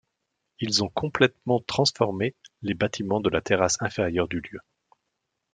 Ils ont complètement transformé les bâtiments de la terrasse inférieure du lieu.